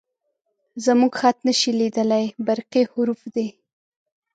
_زموږ خط نه شې لېدلی، برقي حروف دي